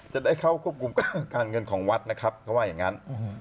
จะได้เข้าควบคุมการเงินของวัดนะครับเขาว่าอย่างนั้น